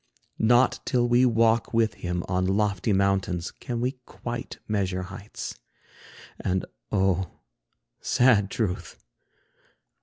Not till we walk with him on lofty mountains, Can we quite measure heights. And, oh, sad truth!